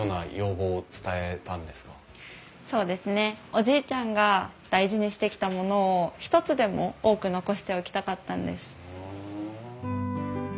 おじいちゃんが大事にしてきたものを一つでも多く残しておきたかったんです。